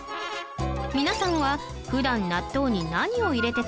皆さんは普段納豆に何を入れて食べますか？